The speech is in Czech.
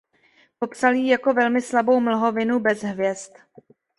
Popsal ji jako velmi slabou mlhovinu bez hvězd.